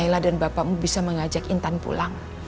nailah dan bapakmu bisa mengajak intan pulang